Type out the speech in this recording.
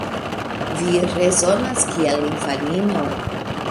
Vi rezonas kiel infanino.